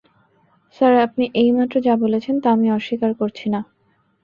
Sir, আপনি এইমাত্র যা বলেছেন তা আমি অস্বীকার করছি না।